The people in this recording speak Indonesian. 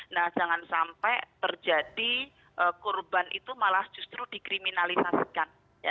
nah jangan sampai terjadi korban itu malah justru dikriminalisasikan